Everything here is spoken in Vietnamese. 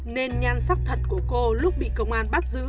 nên nhan sắc thật của cô lúc bị công an bắt giữ